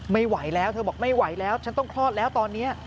ไม่ไหวแล้วเธอบอกไม่ไหวแล้วฉันต้องคลอดแล้วตอนนี้